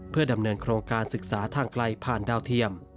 เพื่อดำเนินโครงการศึกษาทางไกลผ่านดาวเทียม